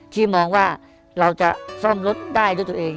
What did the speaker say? ที่มองว่าเราจะซ่อมรถได้ด้วยตัวเอง